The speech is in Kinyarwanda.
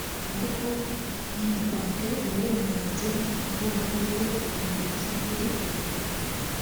ariko ntinatange uburenganzira ngo hakorwe iperereza kuri iyo mirambo